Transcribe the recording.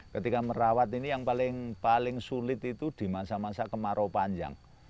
ketika merawat ini yang paling sulit itu di masa masa kemarau panjang